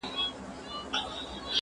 هغه څوک چې کار کوي پرمختګ کوي؟!